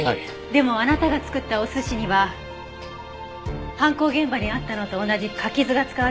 でもあなたが作ったお寿司には犯行現場にあったのと同じ柿酢が使われていました。